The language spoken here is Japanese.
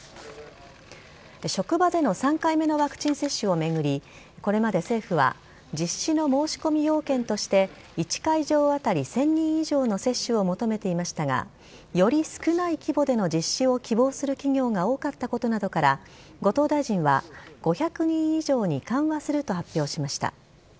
職場での３回目のワクチン接種を巡り、これまで政府は、実施の申し込み要件として、１会場当たり１０００人以上の接種を求めていましたが、より少ない規模での実施を希望する企業が多かったことなどから、後藤大臣は、５００人以上に緩和すると発表しました。